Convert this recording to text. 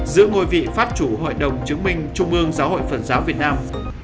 giữ ngôi vị pháp chủ hội đồng chứng minh trung ương giáo hội phật giáo việt nam